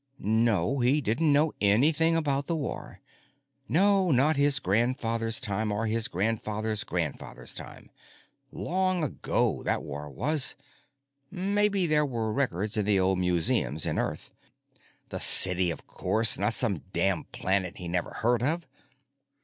No, he didn't know anything about the war. No, not his grandfather's time or his grandfather's grandfather's time. Long ago, that war was. Maybe there were records in the old museum in Earth. The city, of course, not some damn planet he never heard of!